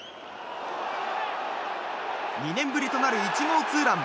２年ぶりとなる１号ツーラン！